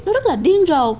nó rất là điên rồ